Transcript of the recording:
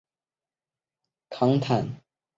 安德鲁瓦河畔圣康坦。